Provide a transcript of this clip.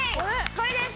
これです！